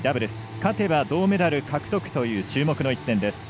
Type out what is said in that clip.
勝てば銅メダル獲得という注目の一戦です。